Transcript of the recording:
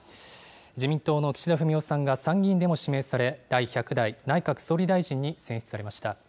自民党の岸田文雄さんが参議院でも指名され、第１００代内閣総理大臣に選出されました。